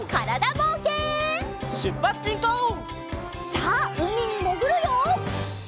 さあうみにもぐるよ！